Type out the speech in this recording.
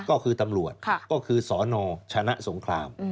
ก็คือตำรวจก็คือสนชนะสงคราม